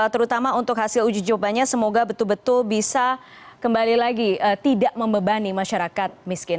terutama untuk hasil uji cobanya semoga betul betul bisa kembali lagi tidak membebani masyarakat miskin